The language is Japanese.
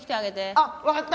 あっわかった！